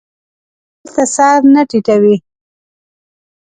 بل ته سر نه ټیټوي.